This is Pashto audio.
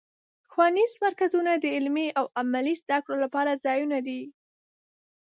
ښوونیز مرکزونه د علمي او عملي زدهکړو لپاره ځایونه دي.